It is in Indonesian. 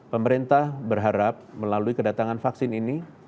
pemerintah berharap melalui kedatangan vaksin ini